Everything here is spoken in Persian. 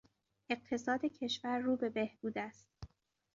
اقتصاد کشور رو به بهبود است.